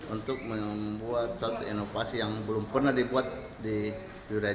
untuk membuat satu inovasi yang belum pernah dibuat di dunia ini